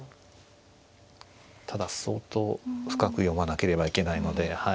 ただ相当深く読まなければいけないので。